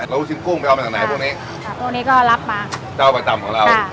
แล้วลูกชิ้นกุ้งไปเอามาจากไหนพวกนี้ค่ะพวกนี้ก็รับมาเจ้าประจำของเราค่ะ